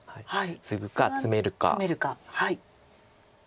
ツグかツメるか。